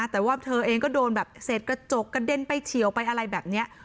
แต่ว่าเธอเองก็โดนแบบเสร็จกระจกกระเด็นไปเฉียวไปอะไรแบบนี้